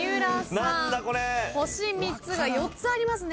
星３つが４つありますね。